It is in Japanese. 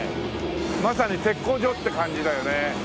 まさに鉄工所って感じだよね。